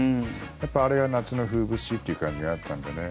やっぱ、あれが夏の風物詩という感じがあったのでね。